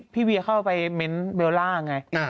พี่เวียเข้าไปเม้นเบลล่าไง